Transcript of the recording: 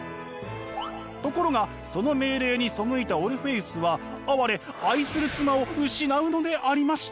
ところがその命令に背いたオルフェウスは哀れ愛する妻を失うのでありました。